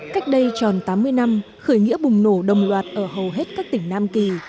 cách đây tròn tám mươi năm khởi nghĩa bùng nổ đồng loạt ở hầu hết các tỉnh nam kỳ